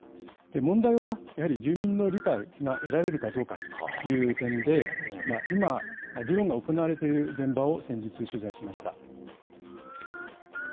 問題は、やはり住民の理解が得られるかどうかという点で、今、議論が行われている現場を先日、取材しました。